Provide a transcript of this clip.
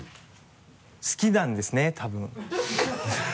好きなんですね多分。